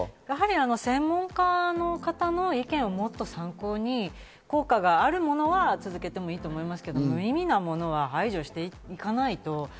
やはり専門家の方の意見を参考に効果があるものは続けてもいいと思いますけど、無意味なものは排除していかないと。